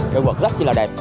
cây quật rất là đẹp